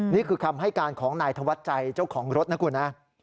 นี่คือคำให้การของนายธวัดใจเจ้าของรถนะคุณนะ